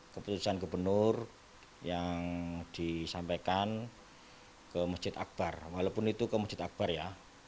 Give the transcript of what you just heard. keputusan gubernur yang disampaikan ke masjid akbar walaupun itu ke masjid akbar ya